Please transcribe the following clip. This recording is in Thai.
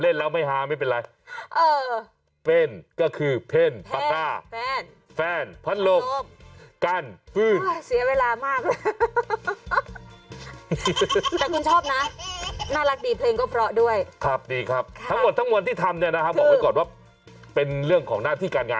และอยากให้คุณชนะช่วยดูหน่อยว่าน้องเขาเป็นอะไรคะ